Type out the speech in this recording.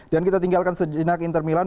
dan kita tinggalkan sejenak inter milan